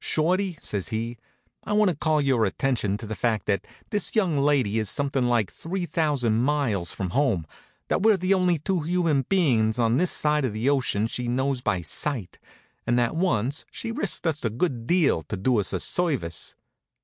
"Shorty," says he, "I want to call your attention to the fact that this young lady is something like three thousand miles from home, that we're the only two human beings on this side of the ocean she knows by sight, and that once she risked a good deal to do us a service."